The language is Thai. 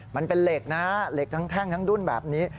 มันเป็นเหล็กนะเหล็กทั้งแท่งทั้งดุ้นแบบนี้